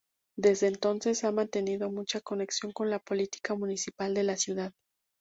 Desde entonces ha mantenido mucha conexión con la política municipal de la ciudad.